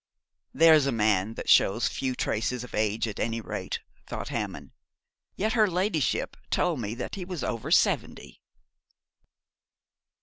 'There's a man who shows few traces of age, at any rate,' thought Hammond. 'Yet her ladyship told me that he is over seventy.'